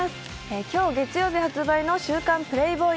今日月曜日発売の「週刊プレイボーイ」。